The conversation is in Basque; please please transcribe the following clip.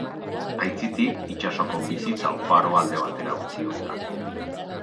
Aitzitik, itsasoko bizitza oparoa alde batera utzi ohi da.